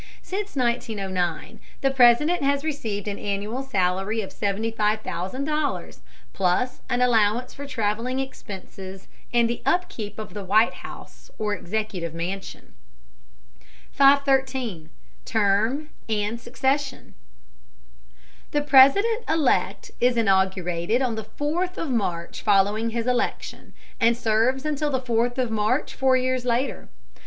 Since 1909 the President has received an annual salary of $75,000, plus an allowance for travelling expenses and the upkeep of the White House or Executive Mansion. 513. TERM AND SUCCESSION. The President elect is inaugurated on the 4th of March following his election, and serves until the 4th of March four years later.